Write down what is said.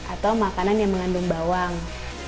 atau makanan yang mengandung bawang